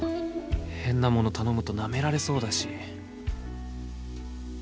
変なもの頼むとなめられそうだし。